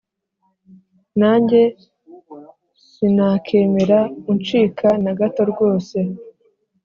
nanjye sinakemera uncika nagato rwose